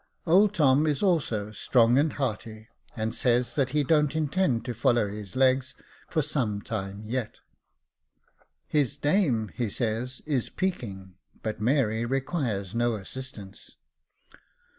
Old Tom is also strong and hearty, and says that he don't intend to follow his legs for some time yet. His dame, he says, is peaking, but Mary requires no assistance.